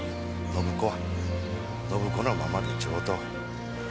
暢子は暢子のままで上等。